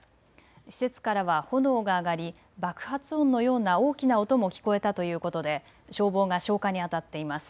施設からは炎が上がり爆発音のような大きな音も聞こえたということで消防が消火にあたっています。